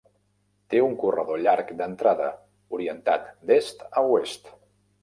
Té un corredor llarg d'entrada, orientat d'est a oest.